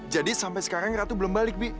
jadi sampai sekarang ratu belum balik bi